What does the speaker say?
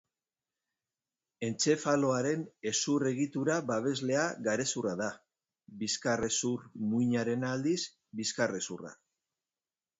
Entzefaloaren hezur-egitura babeslea garezurra da; bizkarrezur-muinarena, aldiz, bizkarrezurra.